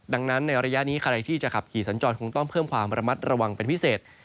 ดังนั้นในระยะนี้ใครที่จะขับขี่สัญจรคงต้องเพิ่มความระมัดระวังเป็นพิเศษ